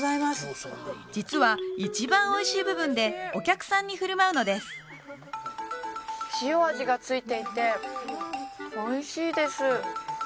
実は一番おいしい部分でお客さんにふるまうのです塩味がついていておいしいです